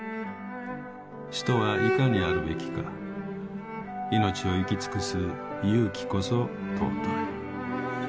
人はいかにあるべきかいのちを生き尽くす勇気こそ尊い。